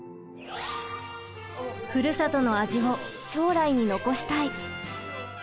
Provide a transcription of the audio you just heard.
ふるさとの味を将来に残したい。